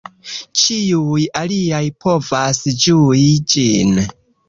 Ĉiuj aliaj povas ĝui ĝin.